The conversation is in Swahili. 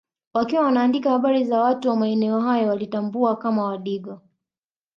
Wakiwa wanaandika habari za watu wa maeneo hayo waliwatambua kama Wadigo